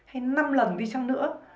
hay năm lần đi chăng nữa